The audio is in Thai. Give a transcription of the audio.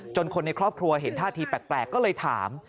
คนในครอบครัวเห็นท่าทีแปลกก็เลยถาม